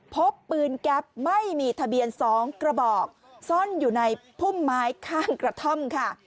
พบปืนแก๊ปไม่มีทะเบียน๒กระบอกซ่อนอยู่ในพุ่มไม้ข้างกระท่อมค่ะ